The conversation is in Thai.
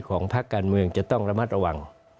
ภาคการเมืองจะต้องระมัดระวัง